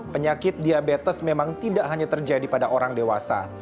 penyakit diabetes memang tidak hanya terjadi pada orang dewasa